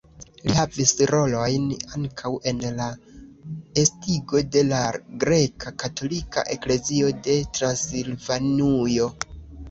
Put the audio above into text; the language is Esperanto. Li havis rolojn ankaŭ en la estigo de la greka katolika eklezio de Transilvanujo.